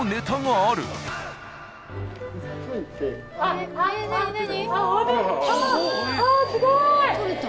ああすごい！